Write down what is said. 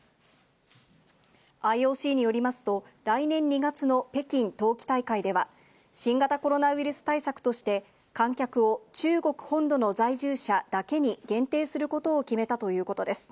ＩＯＣによりますと、来年２月の北京冬季大会では、新型コロナウイルス対策として、観客を中国本土の在住者だけに限定することを決めたということです。